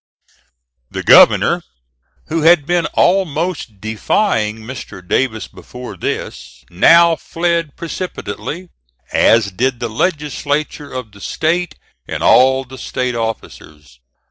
The governor, who had been almost defying Mr. Davis before this, now fled precipitately, as did the legislature of the State and all the State officers.